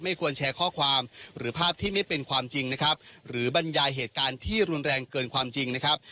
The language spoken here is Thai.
ควรแชร์ข้อความหรือภาพที่ไม่เป็นความจริงนะครับหรือบรรยายเหตุการณ์ที่รุนแรงเกินความจริงนะครับ